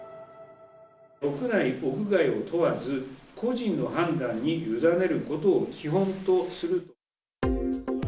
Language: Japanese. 屋内・屋外を問わず、個人の判断に委ねることを基本とする。